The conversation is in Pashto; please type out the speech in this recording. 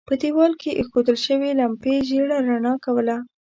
په دېوال کې اېښودل شوې لمپې ژېړه رڼا کوله.